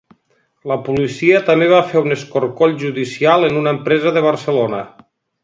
La policia també va fer un escorcoll judicial en una empresa de Barcelona.